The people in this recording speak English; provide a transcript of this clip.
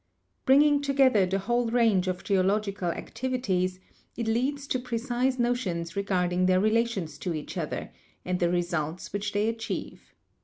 Bringing together the whole range of geological activities, it leads to precise notions regarding their relations to each other, and the results which they achieve.